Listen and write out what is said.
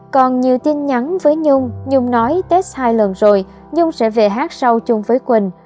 còn nhiều tin nhắn với nhung nhung nói tết hai lần rồi nhung sẽ về hát sau chung với quỳnh